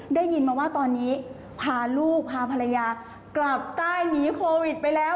ได้ยินมาว่าตอนนี้พาลูกพาภรรยากลับใต้หนีโควิดไปแล้ว